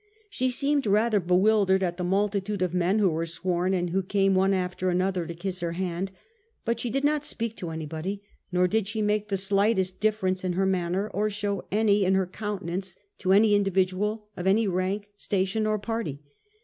She seemed rather bewildered at the multitude of men who were sworn, and who came, one after another, to kiss her hand, but she did not speak to anybody, nor did she make the slightest difference in her manner, or show any in her countenance, to any individual of any rank, station, or party.